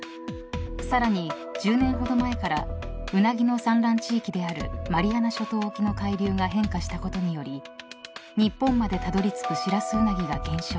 ［さらに１０年ほど前からウナギの産卵地域であるマリアナ諸島沖の海流が変化したことにより日本までたどり着くシラスウナギが減少］